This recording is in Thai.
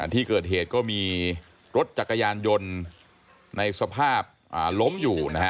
ที่เกิดเหตุก็มีรถจักรยานยนต์ในสภาพล้มอยู่นะฮะ